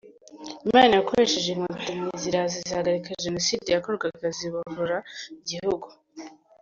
Imana yakoresheje inkotanyi ziraza zihagarika Jenoside yakorwaga zibohora igihugu.